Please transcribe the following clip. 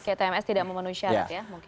ketemes tidak memenuhi syarat ya